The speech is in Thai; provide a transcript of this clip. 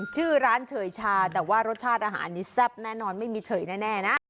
ชื่อร้านเฉยชาแต่ว่ารสชาติอาหารนี้แซ่บแน่นอนไม่มีเฉยแน่นะ